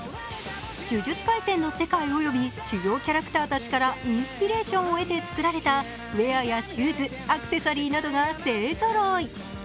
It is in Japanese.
「呪術廻戦」の世界および主要キャラクターたちからインスピレーションを得て作られたウエアやシューズアクセサリーなどが勢ぞろい。